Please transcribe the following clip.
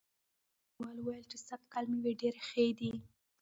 هغه بڼوال وویل چې سږکال مېوې ډېرې ښې دي.